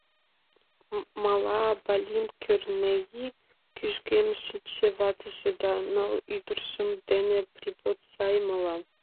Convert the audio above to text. Мала Балинт Кӧрнеи; кӱжгем шичше ватыже да ныл ӱдыржӧ дене Прибоцаи мала.